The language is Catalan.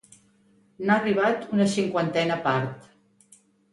N'ha arribat una cinquantena part.